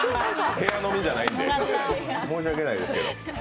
部屋飲みじゃないんで申し訳ないですけど。